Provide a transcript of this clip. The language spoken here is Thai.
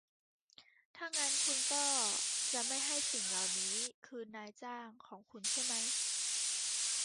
ถ้างั้นคุณก็จะไม่ให้สิ่งเหล่านี้คืนนายจ้างของคุณใช่มั้ย